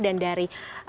dan dari pak amin rais